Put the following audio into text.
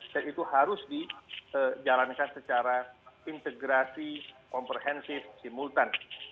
dan itu harus dijalankan secara integrasi komprehensif simultan